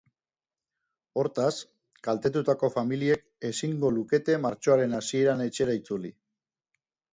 Hortaz, kaltetutako familiek ezingo lukete martxoaren hasieran etxera itzuli.